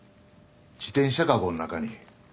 自転車籠の中に。